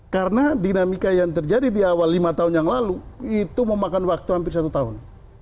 karena dinamika yang terjadi di awal lima tahun yang lalu itu memakan waktu hampir satu tahun